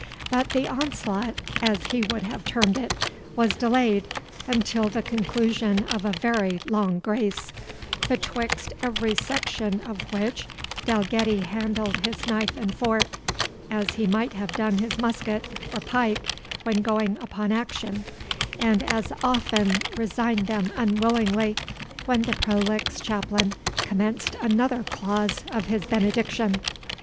But the onslaught, as he would have termed it, was delayed, until the conclusion of a very long grace, betwixt every section of which Dalgetty handled his knife and fork, as he might have done his musket or pike when going upon action, and as often resigned them unwillingly when the prolix chaplain commenced another clause of his benediction.